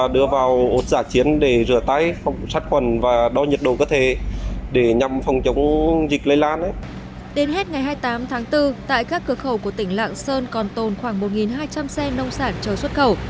đến hết ngày hai mươi tám tháng bốn tại các cửa khẩu của tỉnh lạng sơn còn tồn khoảng một hai trăm linh xe nông sản chờ xuất khẩu